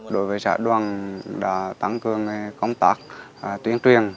đối với xã đoàn đã tăng cường công tác tuyên truyền